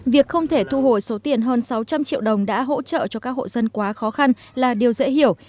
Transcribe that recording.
việc không thể thu hồi số tiền hơn sáu trăm linh triệu đồng đã hỗ trợ cho các hộ dân quá khó khăn là điều dễ hiểu